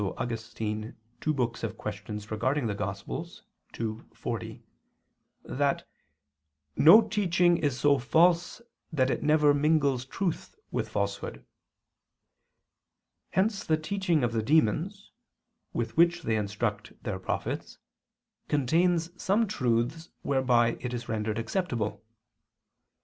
Augustine, QQ. Evang. ii, 40] that "no teaching is so false that it never mingles truth with falsehood." Hence the teaching of the demons, with which they instruct their prophets, contains some truths whereby it is rendered acceptable.